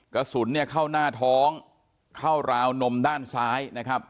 กระสุนเนี่ยเข้าหน้าท้องเข้าราวนมด้านซ้ายนะครับ